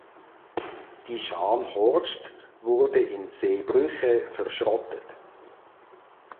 Die "Scharnhorst" wurde in Zeebrügge verschrottet.